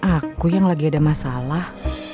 aku yang lagi ada masalah